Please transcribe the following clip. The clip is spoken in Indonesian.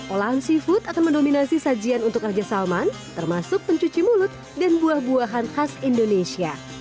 olahan seafood akan mendominasi sajian untuk raja salman termasuk pencuci mulut dan buah buahan khas indonesia